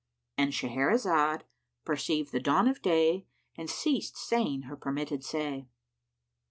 "—And Shahrazad perceived the dawn of day and ceased saying her permitted say.